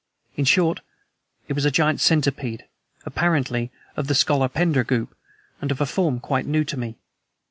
In short, it was a giant centipede, apparently of the scolopendra group, but of a form quite new to me.